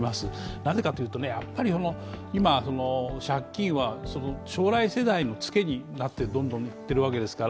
なぜかというと、やっぱり今借金は将来世代のツケにどんどんなっているわけですよね。